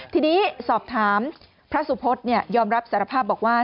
ทีนี้สอบถามพระสุพธยอมรับสารภาพบอกว่า